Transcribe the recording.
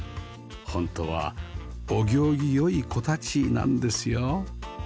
本当はお行儀良い子たちなんですよ